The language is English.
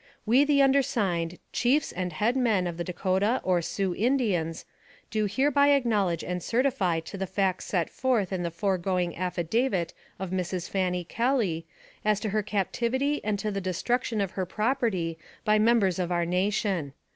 We, the undersigned, chiefs and head men of the Dakota or Sioux Indians, do hereby acknowledge and certify to the facts set forth in the foregoing affidavit of Mrs. Fanny Kelly, as to her captivity and to the destruction of her property by members of our nation.